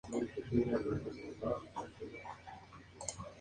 Stokes dejó a su esposa y a su familia, y Mansfield dejó a Fisk.